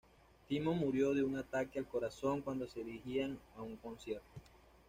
Timo murió de un ataque al corazón cuando se dirigían a un concierto.